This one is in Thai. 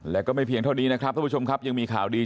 แล้วก็ไม่เพียงเท่านี้นะครับท่านผู้ชมครับยังมีข่าวดี